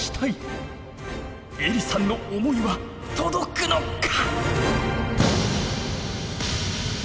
えりさんの思いは届くのか！？